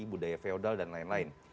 budaya feodal dan lain lain